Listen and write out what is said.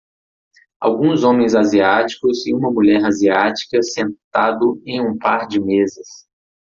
Alguns homens asiáticos e uma mulher asiática sentado em um par de mesas.